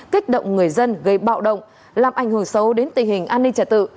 kích động người dân gây bạo động làm ảnh hưởng xấu đến tình hình an ninh trả tự